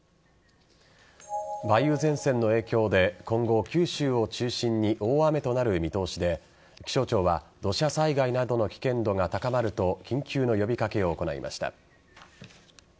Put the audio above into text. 梅雨前線の影響で今後九州を中心に大雨となる見通しで気象庁は土砂災害などの危険度が高まると緊急の呼び掛けを行いました。